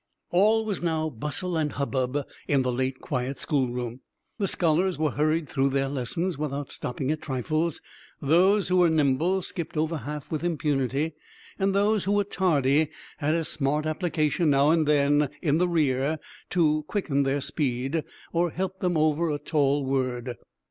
All was now bustle and hubbub in the late quiet schoolroom. The scholars were hurried through their lessons, without stopping at trifles; those who were nimble skipped over half with impunity, and those who were tardy had a smart application now and then in the rear, to quicken their speed, or help them over a tall word.